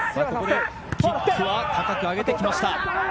ここでキックは高く上げてきました。